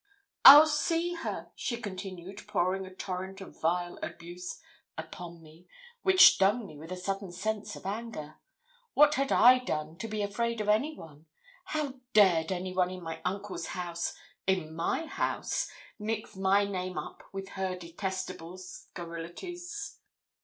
'I'll see her,' she continued, pouring a torrent of vile abuse upon me, which stung me with a sudden sense of anger. What had I done to be afraid of anyone? How dared anyone in my uncle's house in my house mix my name up with her detestable scurrilities?